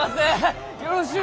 よろしゅう